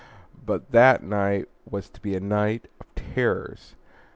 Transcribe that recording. But that night was to be a night of terrors.